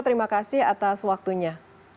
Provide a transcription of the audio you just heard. terima kasih atas waktunya